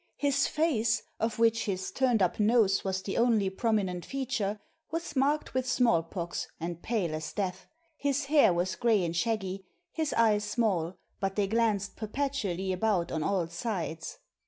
His face, of which his turned up nose was the only prominent feature, was marked with small pox and pale as death, his hair was gray and shaggy, his eyes small, but they glanced perpetually about on all sides.